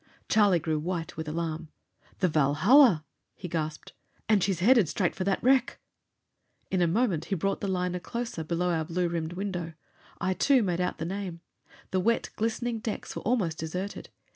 Charlie grew white with alarm. "The Valhalla!" he gasped. "And she's headed straight for that wreck!" In a moment, as he brought the liner closer below our blue rimmed window, I, too, made out the name. The wet, glistening decks were almost deserted.